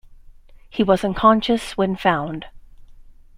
He was unconscious when found.